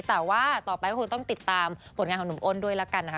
แต่ว่าต่อไปก็คงต้องติดตามผลงานของหนุ่มอ้นด้วยละกันนะคะ